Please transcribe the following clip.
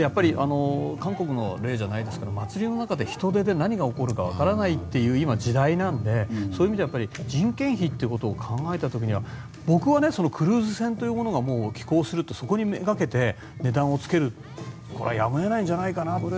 韓国の例じゃないですけど祭りの中の人出で何が起こるか分からないという時代なので、そういう意味で人件費ということを考えた時には僕はクルーズ船が寄港するとそこめがけて値段をつけるのはやむを得ないんじゃないかと。